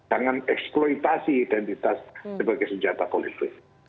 jangan eksploitasi identitas sebagai senjata politik